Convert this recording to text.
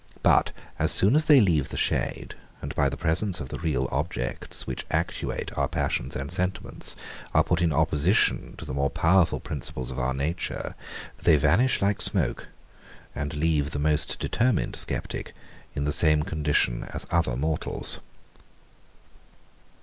But as soon as they leave the shade, and by the presence of the real objects, which actuate our passions and sentiments, are put in opposition to the more powerful principles of our nature, they vanish like smoke, and leave the most determined sceptic in the same condition as other mortals.